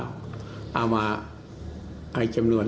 เอาสิผลจำนวน